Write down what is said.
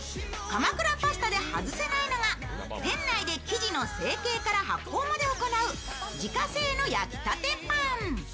鎌倉パスタで外せないのが店内で生地の成形から発酵まで行う自家製の焼きたてパン。